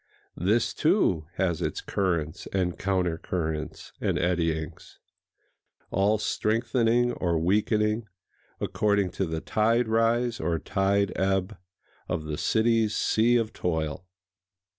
This, too, has its currents and counter currents [Pg 204] and eddyings,—all strengthening or weakening according to the tide rise or tide ebb of the city's sea of toil.